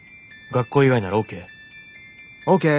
「学校以外ならＯＫ？」。